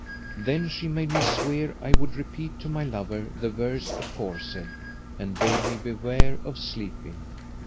Then she made me swear I would repeat to my lover the verse aforesaid and bade me beware of sleeping.